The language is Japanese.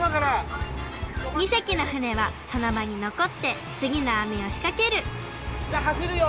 ２せきの船はそのばにのこってつぎのあみをしかけるじゃあはしるよ！